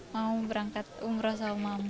mau berangkat umroh sama